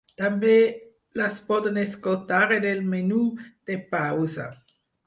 També les podem escoltar en el menú de pausa.